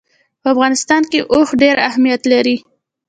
په افغانستان کې اوښ ډېر اهمیت لري.